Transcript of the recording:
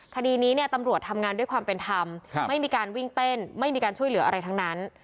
คดีนี้เนี่ยตำรวจทำงานด้วยความเป็นธรรมไม่มีการวิ่งเต้นไม่มีการช่วยเหลืออะไรทั้งนั้น